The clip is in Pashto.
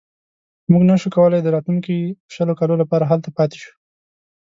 موږ نه شو کولای د راتلونکو شلو کالو لپاره هلته پاتې شو.